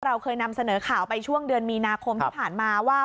เราเคยนำเสนอข่าวไปช่วงเดือนมีนาคมที่ผ่านมาว่า